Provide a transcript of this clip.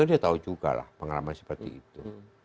dia tahu juga lah pengalaman seperti itu